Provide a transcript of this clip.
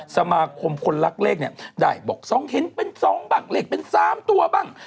สมาคมคนรักเลขได้บอกทั้ง๒เทนต์เป็น๒บังเล็กเป็น๓ตัวบ้าง